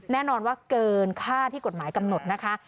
แน่นอนว่าเกินค่าที่กฎหมายกำหนดนะคะ